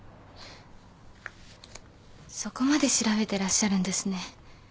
そこまで調べてらっしゃるんですね。